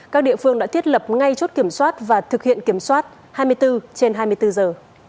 các địa phương đã thiết lập ngay chốt kiểm soát và thực hiện kiểm soát hai mươi bốn trên hai mươi bốn giờ